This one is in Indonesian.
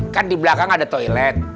kan di belakang ada toilet